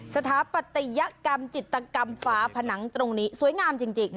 สถาปัตยกรรมจิตกรรมฟ้าผนังตรงนี้สวยงามจริง